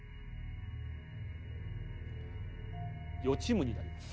「予知夢になります」。